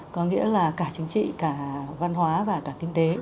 có nghĩa là cả chính trị cả văn hóa và cả kinh tế